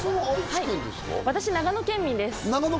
私は長野県民です。